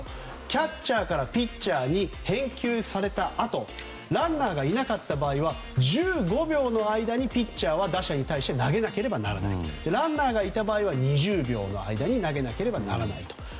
キャッチャーからピッチャーに返球されたあとランナーがいなかった場合は１５秒の間にピッチャーは打者に対して投げなければならないとランナーがいた場合は２０秒の間に投げなくてはならないと。